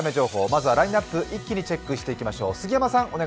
まずはラインナップ、一気にチェックしていきましょう。